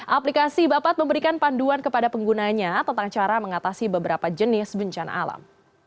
aplikasi bapat memberikan panduan kepada penggunanya tentang cara mengatasi beberapa jenis bencana alam